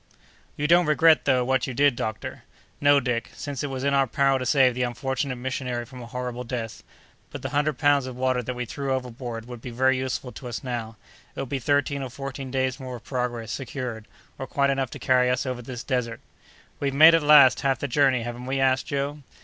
"You don't regret, though, what you did, doctor?" "No, Dick, since it was in our power to save that unfortunate missionary from a horrible death. But, the hundred pounds of water that we threw overboard would be very useful to us now; it would be thirteen or fourteen days more of progress secured, or quite enough to carry us over this desert." "We've made at least half the journey, haven't we?" asked Joe.